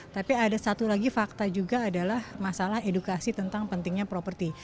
tapi ada satu lagi fakta juga adalah masalah edukasi tentang pentingnya properti